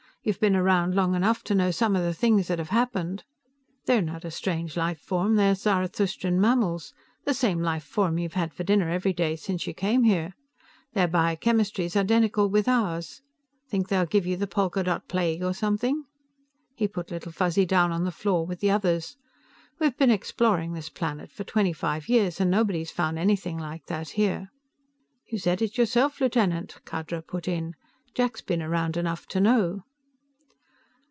"You've been around enough to know some of the things that have happened " "They are not a strange life form; they are Zarathustran mammals. The same life form you've had for dinner every day since you came here. Their biochemistry's identical with ours. Think they'll give you the Polka Dot Plague, or something?" He put Little Fuzzy down on the floor with the others. "We've been exploring this planet for twenty five years, and nobody's found anything like that here." "You said it yourself, Lieutenant," Khadra put in. "Jack's been around enough to know."